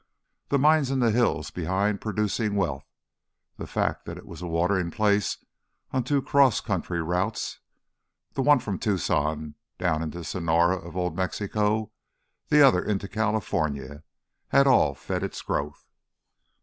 The mines in the hills behind producing wealth, the fact that it was a watering place on two cross country routes—the one from Tucson down into Sonora of Old Mexico, the other into California—had all fed its growth.